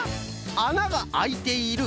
「あながあいている」